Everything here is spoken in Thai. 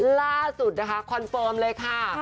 ล่าสุดนะคะคอนเฟิร์มเลยค่ะ